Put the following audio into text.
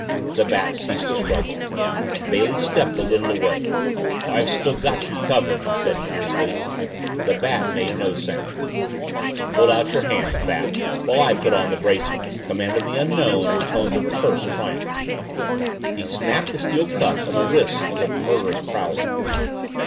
The Bat ceased to struggle. Bailey stepped a little away. "I've still got you covered!" he said fiercely. The Bat made no sound. "Hold out your hands, Bat, while I put on the bracelets," commanded the Unknown in tones of terse triumph. He snapped the steel cuffs on the wrists of the murderous prowler.